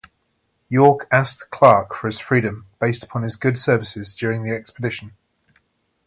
York asked Clark for his freedom based upon his good services during the expedition.